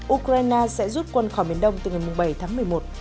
ukraine sẽ rút quân khỏi miền đông từ ngày bảy tháng một mươi một